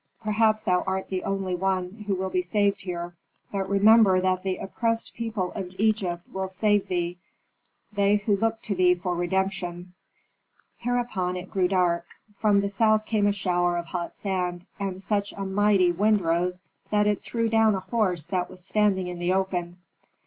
Perhaps thou art the only one who will be saved here, but remember that the oppressed people of Egypt will save thee, they who look to thee for redemption." Hereupon it grew dark; from the south came a shower of hot sand, and such a mighty wind rose that it threw down a horse that was standing in the open.